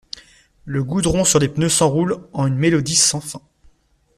Le goudron sur les pneus s’enroule en une mélodie sans fin.